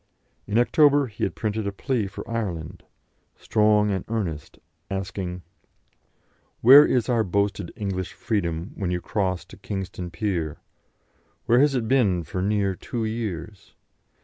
In October he had printed a plea for Ireland, strong and earnest, asking: "Where is our boasted English freedom when you cross to Kingstown pier? Where has it been for near two years?